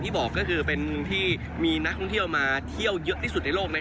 ที่นี้มีนักข้องเที่ยวมาเที่ยวเยอะที่สุดในโลก